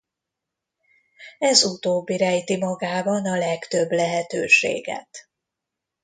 Ez utóbbi rejti magában a legtöbb lehetőséget.